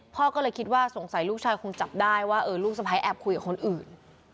พ่อก็เลยคิดว่าสงสัยลูกชายคงจับได้ว่าลูกสะพ้ายแอบคุยกับคนอื่น